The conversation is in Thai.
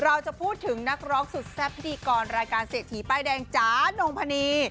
เราจะพูดถึงนักร้องสุดแซ่บพิธีกรรายการเศรษฐีป้ายแดงจ๋านงพนี